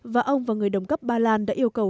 và ông và người đồng cấp ba lan đã yêu cầu